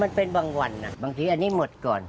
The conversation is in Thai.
มันเป็นบางวันบางทีอันนี้หมดก่อน